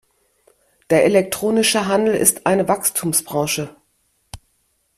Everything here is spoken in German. Der elektronische Handel ist eine Wachstumsbranche.